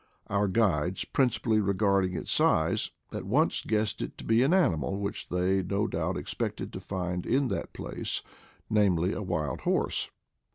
Our guides, principally regarding its size, at once guessed it to be an animal which they no doubt expected to find in that place — namely, a wild horse.